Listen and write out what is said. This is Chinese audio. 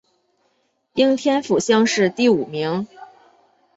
应天府乡试第五名。